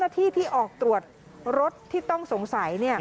ที่ที่ออกตรวจรถที่ต้องสงสัย